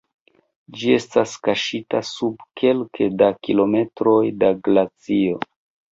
Ĝi estas kaŝita sub kelke da kilometroj da glacio.